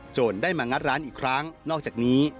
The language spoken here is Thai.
ได้มางัดร้านอีกครั้งนอกจากนี้